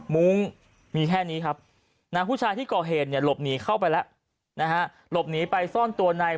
มุ้งมีแค่นี้ครับนางผู้ชายที่ก่อเหตุเนี่ยหลบหนีเข้าไปแล้วนะฮะหลบหนีไปซ่อนตัวใน